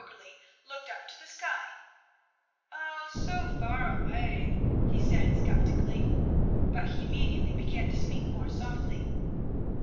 "] Jörgli looked up to the sky: "Oh, so far away," he said skeptically; but he immediately began to speak more softly.